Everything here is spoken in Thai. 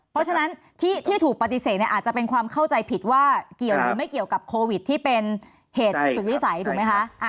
เพราะฉะนั้นที่ถูกปฏิเสธเนี่ยอาจจะเป็นความเข้าใจผิดว่าเกี่ยวหรือไม่เกี่ยวกับโควิดที่เป็นเหตุสุขวิสัยถูกไหมคะ